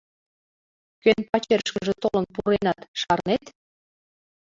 Кӧн пачерышкыже толын пуренат, шарнет?